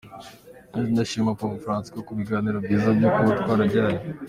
Yagize ati “Ndashimira Papa Francisko ku biganiro byiza byubaka twagiranye.